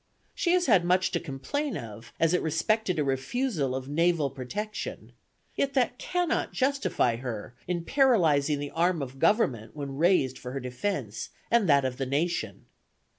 She has had much to complain of as it respected a refusal of naval protection, yet that cannot justify her in paralyzing the arm of government when raised for her defence and that of the nation.